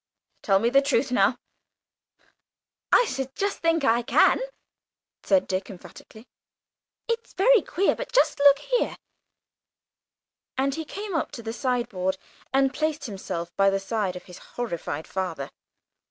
Tell me the truth now!" "I should just think I could!" said Dick emphatically. "It's very queer, but just look here," and he came up to the sideboard and placed himself by the side of his horrified father.